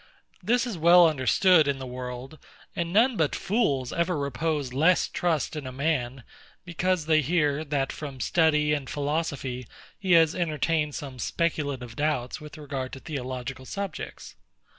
This is well understood in the world; and none but fools ever repose less trust in a man, because they hear, that from study and philosophy, he has entertained some speculative doubts with regard to theological subjects.